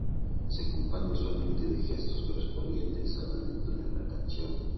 Se acompaña usualmente de gestos correspondientes a la letra de la canción.